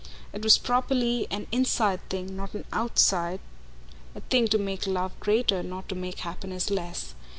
It was properly an inside thing, not an outside, a thing to make love greater, not to make happiness less.